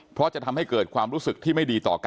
เพราะจะทำให้เกิดความรู้สึกที่ไม่ดีต่อกัน